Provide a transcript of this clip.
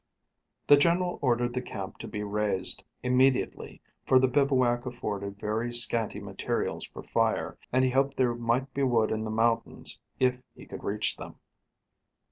The general ordered the camp to be raised immediately, for the bivouac afforded very scanty materials for fire, and he hoped there might be wood in the mountains if he could reach them.